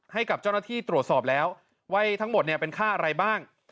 ให้กับเจ้าหน้าที่ตรวจสอบแล้วว่าทั้งหมดเนี่ยเป็นค่าอะไรบ้าง